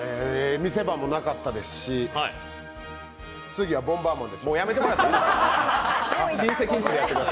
見せ場もなかったですし次は「ボンバーマン」で。